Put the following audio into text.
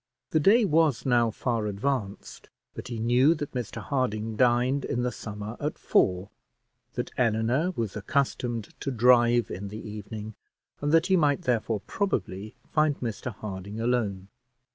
The day was now far advanced, but he knew that Mr Harding dined in the summer at four, that Eleanor was accustomed to drive in the evening, and that he might therefore probably find Mr Harding alone.